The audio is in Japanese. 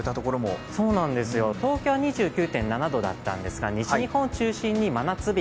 東京２９．７度だったんですが西日本中心に真夏日。